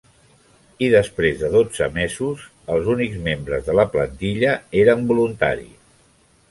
I després de dotze mesos, els únics membres de la plantilla eren voluntaris.